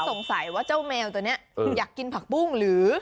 สงสัยว่าเจ้าแมวตัวนี้อยากกินผักปุ้งหรือ